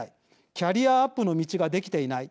キャリアアップの道ができていない。